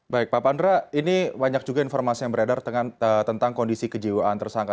baik pak pandra ini banyak juga informasi yang beredar tentang kondisi kejiwaan tersangka